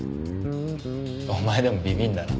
お前でもビビるんだな。